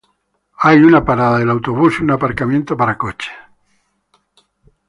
Hay una parada del autobús y un aparcamiento para coches.